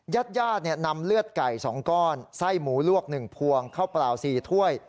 ญาติญาตินำเลือดไก่๒ก้อนไส้หมูลวก๑พวงข้าวเปล่า๔ถ้วย